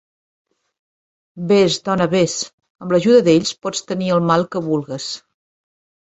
Vés, dona, vés; amb l'ajuda d'ells pots tenir el mal que vulgues.